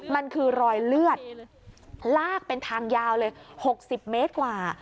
มันคือรอยเลือดลากเป็นทางยาวเลย๖๐เมตรกว่า